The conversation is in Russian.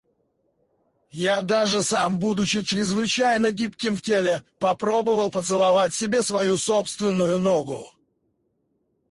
Я даже сам, будучи чрезвычайно гибким в теле, попробовал поцеловать себе свою собственную ногу.